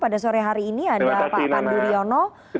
pada sore hari ini ada pak pandu riono